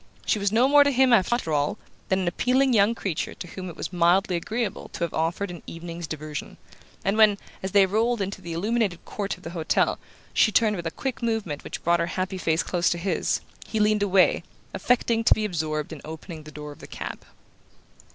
She was no more to him, after all, than an appealing young creature to whom it was mildly agreeable to have offered an evening's diversion; and when, as they rolled into the illuminated court of the hotel, she turned with a quick movement which brought her happy face close to his, he leaned away, affecting to be absorbed in opening the door of the cab.